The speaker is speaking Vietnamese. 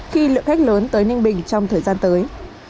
khi lượng khách lớn tới ninh bình trong thời gian tới